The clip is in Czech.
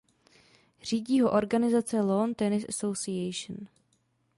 Řídí ho organizace Lawn Tennis Association.